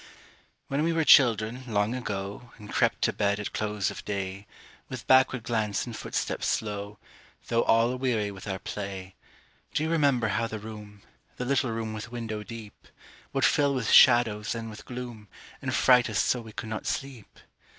When we were children, long ago, And crept to bed at close of day, With backward glance and footstep slow, Though all aweary with our play, Do you remember how the room The little room with window deep Would fill with shadows and with gloom, And fright us so we could not sleep?